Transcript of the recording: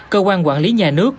cơ quan quản lý nhà nước